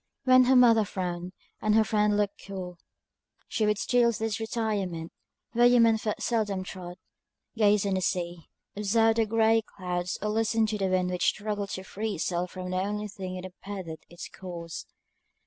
When her mother frowned, and her friend looked cool, she would steal to this retirement, where human foot seldom trod gaze on the sea, observe the grey clouds, or listen to the wind which struggled to free itself from the only thing that impeded its course.